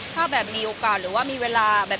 ถ้ามีโอกาสหรือว่ามีเวลา